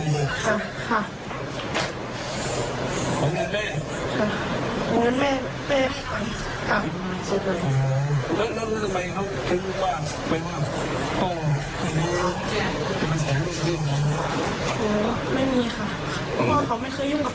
อย่างนั้นแม่